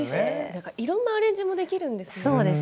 いろんなアレンジができるんですね。